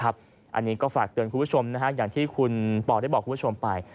อันนี้ก็ฝากเตือนคุณผู้ชมอย่างที่คุณปอได้บอกคุณผู้ชมไป